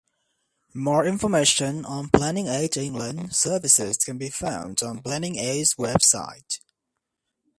More information on Planning Aid England services can be found on Planning Aid's website.